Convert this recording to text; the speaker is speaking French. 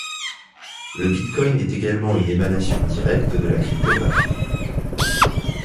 Le Bitcoin est également une émanation directe de la cryptographie.